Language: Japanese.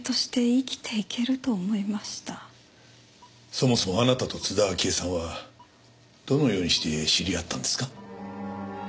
そもそもあなたと津田明江さんはどのようにして知り合ったんですか？